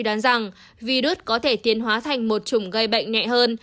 đoán rằng virus có thể tiến hóa thành một chủng gây bệnh nhẹ hơn